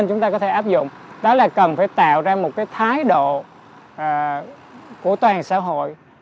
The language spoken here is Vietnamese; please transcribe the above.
chúng ta có thể áp dụng đó là cần phải tạo ra một thái độ của toàn xã hội